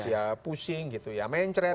ya pusing gitu ya mencret